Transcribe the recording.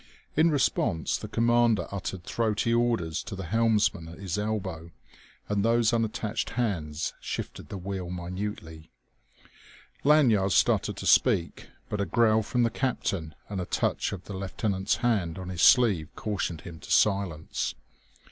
In response the commander uttered throaty orders to the helmsman at his elbow, and those unattached hands shifted the wheel minutely. Lanyard started to speak, but a growl from the captain, and a touch of the lieutenant's hand on his sleeve cautioned him to silence.